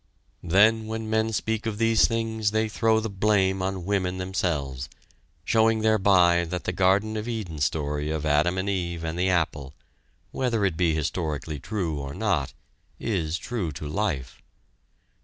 Then when men speak of these things, they throw the blame on women themselves, showing thereby that the Garden of Eden story of Adam and Eve and the apple, whether it be historically true or not, is true to life.